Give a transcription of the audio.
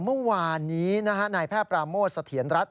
เมื่อวานนี้นะฮะนายแพทย์ปราโมชสะเทียนรัฐ